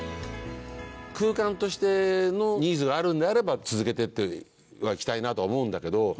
空間としてのニーズがあるんであれば続けていってはいきたいなとは思うんだけど。